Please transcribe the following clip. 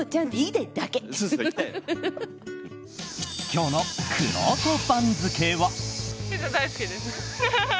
今日のくろうと番付は。